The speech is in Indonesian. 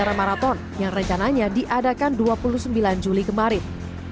aceh international marathon yang rencananya diadakan dua puluh sembilan juli kemarin